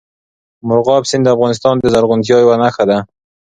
مورغاب سیند د افغانستان د زرغونتیا یوه نښه ده.